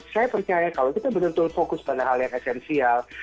saya percaya kalau kita betul betul fokus pada hal yang esensial